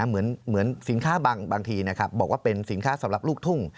เหมือนสินค้าบางทีบอกว่าเป็นสินค้าสำหรับลูกทุ่ง